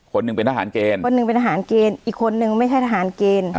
คนหนึ่งเป็นทหารเกณฑ์คนหนึ่งเป็นทหารเกณฑ์อีกคนนึงไม่ใช่ทหารเกณฑ์